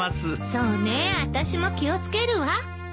そうねあたしも気を付けるわ。